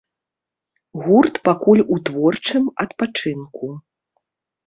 Гурт пакуль у творчым адпачынку.